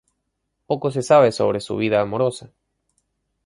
Poco se sabe sobre su vida amorosa.